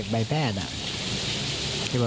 ใบแพทย์